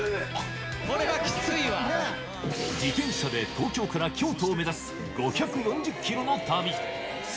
自転車で東京から京都を目指す、５４０キロの旅。